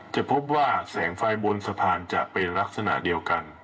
จะพบว่าแสงไฟบนสะพานจะเป็นลักษณะเดียวกัน